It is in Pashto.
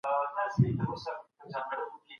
موږ په خپلو اتلانو ویاړو.